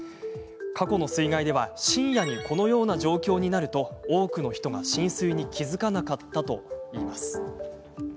過去の水害では深夜にこのような状況になると多くの人が浸水に気付かなかったといいます。